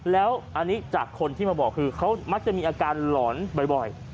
แล้วอันนี้จากคนที่มาบอกคือเขามักจะมีอาการหลอนบ่อย